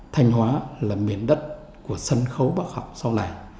thanh hóa là miền đất của sân khấu bác học sau này